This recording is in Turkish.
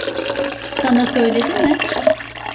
Sana söyledi mi?